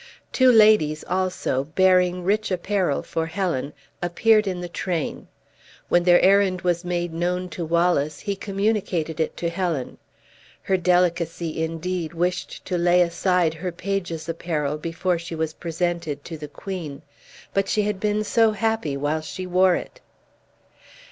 Two ladies, also, bearing rich apparel for Helen, appeared in the train. When their errand was made known to Wallace, he communicated it to Helen. Her delicacy indeed wished to lay aside her page's apparel before she was presented to the queen; but she had been so happy while she wore it!